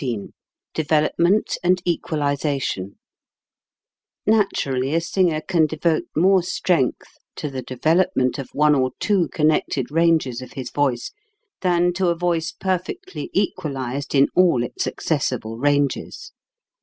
SECTION XIV DEVELOPMENT AND EQUALIZATION NATURALLY a singer can devote more strength to the development of one or two connected ranges of his voice than to a voice perfectly equalized in all its accessible ranges.